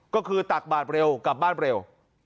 ก็คือตักบาทเร็วกลับบ้านเร็ว